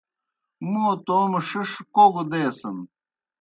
مو توموْ ݜِݜ کوگوْ دیسِن۔